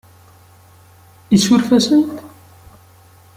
Isuref-asent?